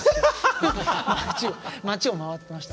町を回ってました。